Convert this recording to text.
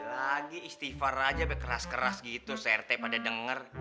lagi istighfar aja keras keras gitu crt pada denger